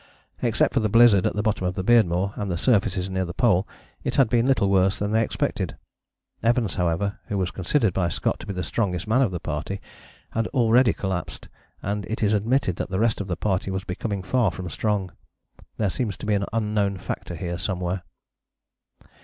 Except for the blizzard at the bottom of the Beardmore and the surfaces near the Pole it had been little worse than they expected. Evans, however, who was considered by Scott to be the strongest man of the party, had already collapsed, and it is admitted that the rest of the party was becoming far from strong. There seems to be an unknown factor here somewhere.